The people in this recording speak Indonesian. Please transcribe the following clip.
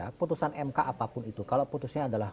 keputusan mk apapun itu kalau putusnya adalah